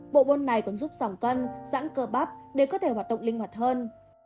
bộ bôn này còn giúp giỏng cân giãn cơ bắp để có thể hoạt động linh hoạt hơn